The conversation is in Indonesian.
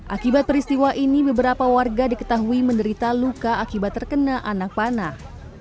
akibat peristiwa ini beberapa warga diketahui menderita luka akibat terkena anak panah